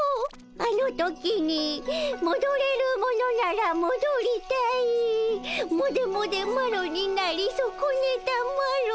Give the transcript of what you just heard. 「あの時にもどれるものならもどりたいモデモデマロになりそこねたマロ」